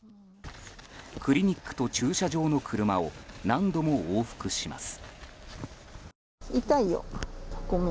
クリニックと駐車場の車を何度も往復します。